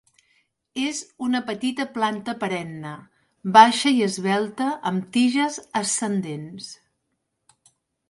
És una petita planta perenne, baixa i esvelta amb tiges ascendents.